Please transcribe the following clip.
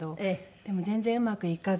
でも全然うまくいかず。